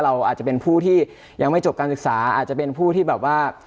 เราอาจจะเป็นผู้ที่ยังไม่จบการศึกษาอาจจะเป็นผู้ที่แบบว่า